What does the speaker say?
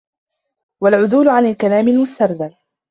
وَالْعُدُولُ عَنْ الْكَلَامِ الْمُسْتَرْذَلِ